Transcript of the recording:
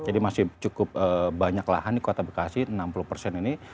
jadi masih cukup banyak lahan di kota bekasi enam puluh persen ini